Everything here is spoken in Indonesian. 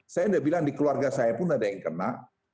saya udah bilang di keluarga saya pun ada yang kena